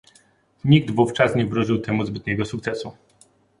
Nikt wówczas nie wróżył temu zbytniego sukcesu